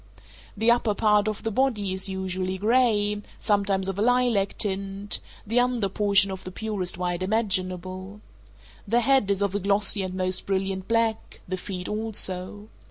The upper part of the body is usually gray, sometimes of a lilac tint; the under portion of the purest white imaginable. The head is of a glossy and most brilliant black, the feet also.